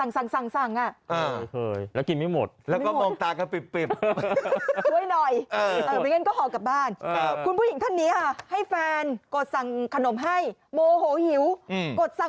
ทุกคนพอดีเราหิวมากแล้วเราก็ให้แฟนเราสั่งซื้อขนมมา